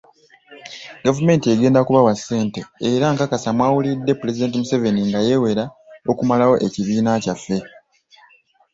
Gavumenti egenda kubawa ssente era nkakasa mwawulidde Pulezidenti Museveni nga yewera okumalawo ekibiina kyaffe.